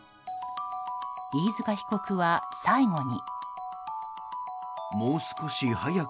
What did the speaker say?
飯塚被告は最後に。